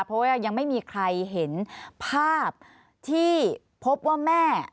เพราะว่ายังไม่มีใครเห็นภาพที่พบว่าแม่